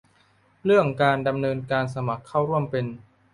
เรื่องการดำเนินการสมัครเข้าร่วมเป็น